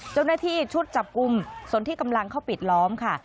เจ้าหน้าที่ชุดจับกลุ่มส่วนที่กำลังเข้าปิดล้อมค่ะ